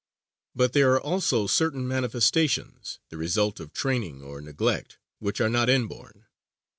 But there are also certain manifestations, the result of training or neglect, which are not inborn.